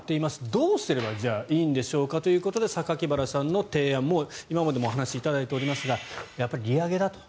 どうすればいいんでしょうかということで榊原さんの提案も今までお話しいただいていますがやっぱり利上げだと。